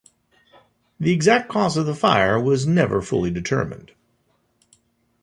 The exact cause of the fire was never fully determined.